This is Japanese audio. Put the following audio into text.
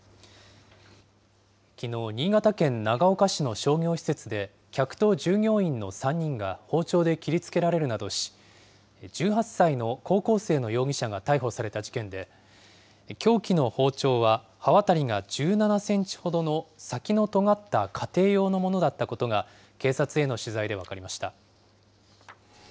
きのう、新潟県長岡市の商業施設で、客と従業員の３人が包丁で切りつけられるなどし、１８歳の高校生の容疑者が逮捕された事件で、凶器の包丁は刃渡りが１７センチほどの先のとがった家庭用のものだったことが、警察への取材で分かりました。